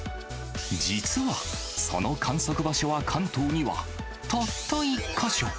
実は、その観測場所は関東にはたった１か所。